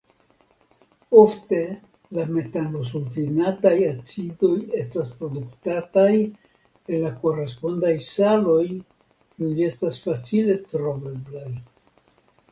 Ofte la metanosulfinataj acidoj estas produktataj el la korespondaj saloj kiuj estas facile troveblaj.